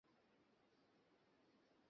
এরা হল ইউসুফ, তার পিতা ইয়াকূব।